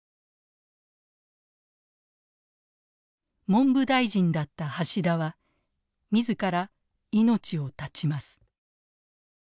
文部大臣だった橋田は自ら命を絶ちます。